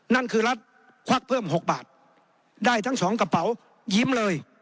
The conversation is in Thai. นั่นคือรัฐควักเพิ่ม๖บาทได้ทั้งสองกระเป๋ายิ้มเลย